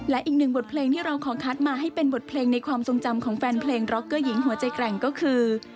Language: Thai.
และอีกหนึ่งบทเพลงที่เราขอคัดมาให้เป็นบทเพลงในความทรงจำของแฟนเพลงร็อกเกอร์หญิงหัวใจแกร่งก็คือ